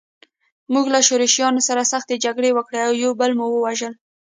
موږ له شورویانو سره سختې جګړې وکړې او یو بل مو وژل